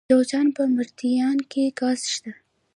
د جوزجان په مردیان کې ګاز شته.